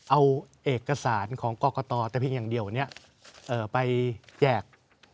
เอาเอกสารของกรกตแต่เพียงอย่างเดียวไปแจก